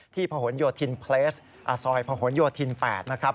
ที่พยพอย๘นะครับ